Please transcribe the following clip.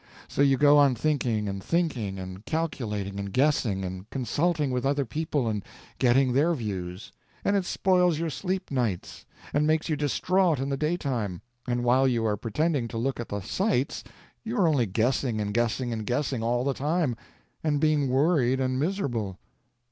So you go on thinking and thinking, and calculating and guessing, and consulting with other people and getting their views; and it spoils your sleep nights, and makes you distraught in the daytime, and while you are pretending to look at the sights you are only guessing and guessing and guessing all the time, and being worried and miserable.